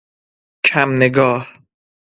کم نگاه